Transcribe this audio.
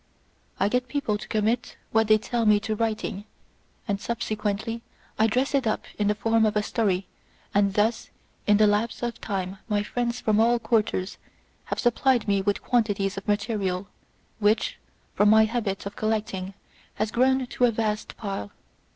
I get people to commit what they tell me to writing, and subsequently I dress it up in the form of a story ; and thus in the lapse of time my friends from all quarters have supplied me with quantities of material, which, from my habit of collecting, has grown into a vast pile.